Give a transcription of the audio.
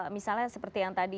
misalnya seperti yang tadi